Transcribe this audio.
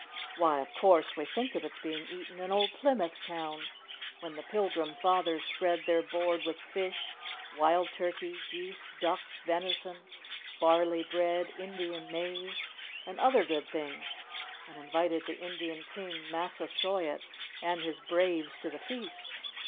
Why, of course, we think of its being eaten in old Plymouth Town, when the Pilgrim Fathers spread their board with fish, wild turkey, geese, ducks, venison, barley bread, Indian maize, and other good things, and invited the Indian King Massasoit and his braves to the feast.